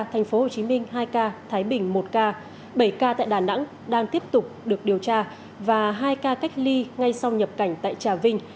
tp hcm hai ca thái bình một ca bảy ca tại đà nẵng đang tiếp tục được điều tra và hai ca cách ly ngay sau nhập cảnh tại trà vinh